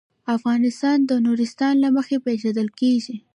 افغانستان د نورستان له مخې پېژندل کېږي.